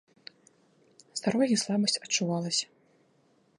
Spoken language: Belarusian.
З дарогі слабасць адчувалася.